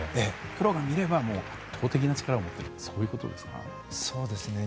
プロが見れば圧倒的な力を持っているということですね。